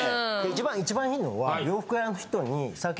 一番いいのは。